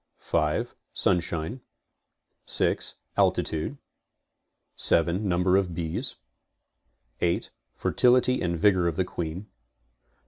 5. Sunshine. 6. Altitude. 7. Number of bees. 8. Fertility and vigor of the queen.